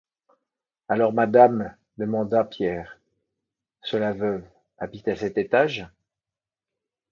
Alors, madame, demanda Pierre, ce Laveuve habite à cet étage?